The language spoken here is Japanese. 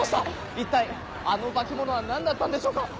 一体あの化け物は何だったんでしょうか？